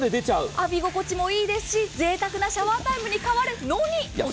浴び心地もいいですしぜいたくなシャワータイムに変わるのにお得。